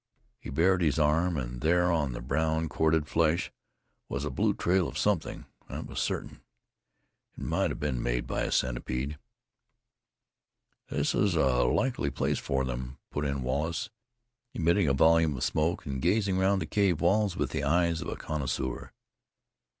He bared his arm, and there on the brown corded flesh was a blue trail of something, that was certain. It might have been made by a centipede. "This is a likely place for them," put in Wallace, emitting a volume of smoke and gazing round the cave walls with the eye of a connoisseur.